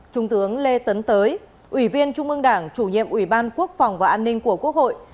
trung tướng lê tấn tới ủy viên trung ương đảng chủ nhiệm ủy ban quốc phòng và an ninh của quốc hội